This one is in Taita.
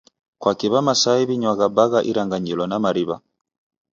Kwaki W'aMasai w'inywagha bagha iranganyiro na mariw'a?